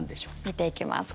見ていきます。